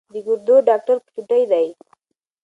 د ګردو ډاکټر په چوټۍ دی